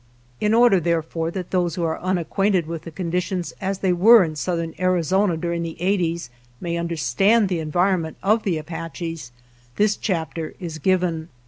In order, therefore, that those who are unacquainted with the conditions as they were in southern Arizona during the eighties, may understand the en vironment of the Apaches, this chapter is given.